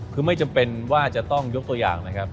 คือไม่จำเป็นว่าจะต้องยกตัวอย่างนะครับ